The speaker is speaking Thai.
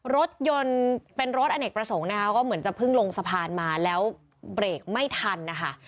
รถยนต์เป็นรถอเนกประสงค์นะคะก็เหมือนจะเพิ่งลงสะพานมาแล้วเบรกไม่ทันนะคะ